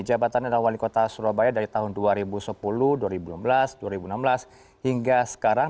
jabatannya adalah wali kota surabaya dari tahun dua ribu sepuluh dua ribu enam belas dua ribu enam belas hingga sekarang